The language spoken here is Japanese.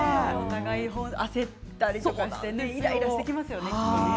焦ったりしてイライラしますよね。